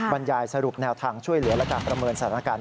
บรรยายสรุปแนวทางช่วยเหลือและการประเมินสถานการณ์